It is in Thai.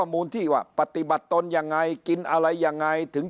มันเยอะจริง